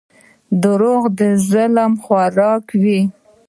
• دروغ د ظلم خوراک وي.